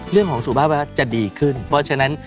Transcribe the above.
เรื่องของสุขภาพจะดีขึ้น